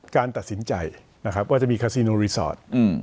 การตัดสินใจว่าจะมีคาซีโนรีศอร์ต